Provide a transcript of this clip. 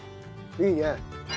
いいね。